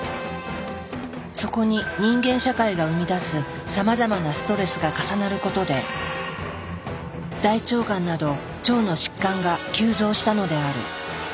そこに人間社会が生み出すさまざまなストレスが重なることで大腸がんなど腸の疾患が急増したのである。